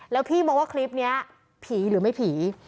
แล้วพี่มองว่าคลิปนี้ผีหรือไม่ผี